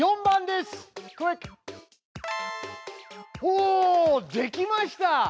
おできました！